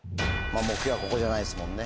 目標はここじゃないですもんね。